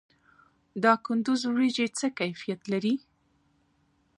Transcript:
د کندز وریجې څه کیفیت لري؟